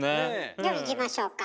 ではいきましょうか。